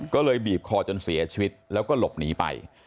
ก็เลยบีบคอจนเสียชีวิตแล้วก็หลบหนีไป